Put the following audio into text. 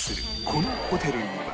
このホテルには